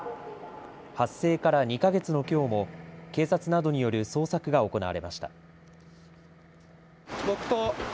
発生から２か月のきょうも警察などによる捜索が行われました。